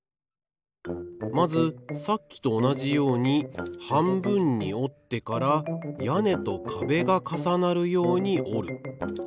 まずさっきとおなじようにはんぶんにおってからやねとかべがかさなるようにおる。